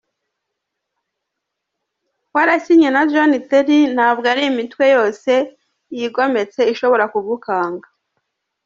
Warakinye na John Terry, ntabwo ari imitwe yose yigometse ishobora kugukanga.